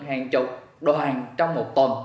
hàng chục đoàn trong một tuần